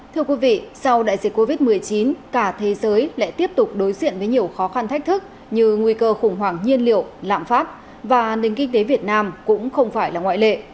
thưa quý vị sau đại dịch covid một mươi chín cả thế giới lại tiếp tục đối diện với nhiều khó khăn thách thức như nguy cơ khủng hoảng nhiên liệu lạm phát và nền kinh tế việt nam cũng không phải là ngoại lệ